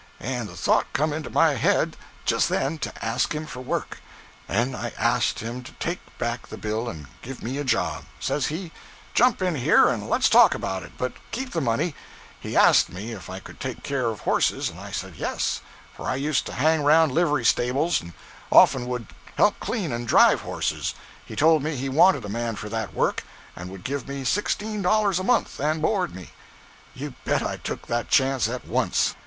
& the thought come into my head just then to ask him for work; & i asked him to take back the bill and give me a job says he, jump in here & lets talk about it, but keep the money he asked me if i could take care of horses & i said yes, for i used to hang round livery stables & often would help clean & drive horses, he told me he wanted a man for that work, & would give me $16 a month & bord me. You bet i took that chance at once.